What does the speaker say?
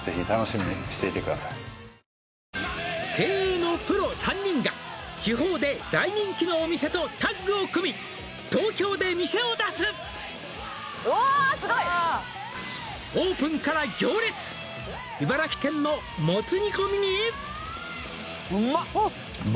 「経営のプロ３人が」「地方で大人気のお店とタッグを組み」「東京で店を出す」おすごい！「オープンから行列」「茨城県のもつ煮込みに」